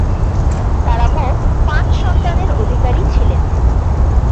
তারা মোট পাঁচ সন্তানের অধিকারী ছিলেন।